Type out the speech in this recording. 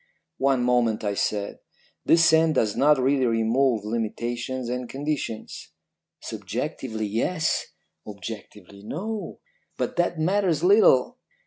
"'One moment,' I said. 'This scent does not really remove limitations and conditions.' "'Subjectively, yes, objectively, no; but that matters little.